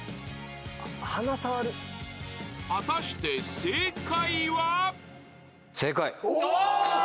［果たして］正解。